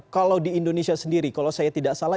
kalau di indonesia sendiri kalau saya tidak salah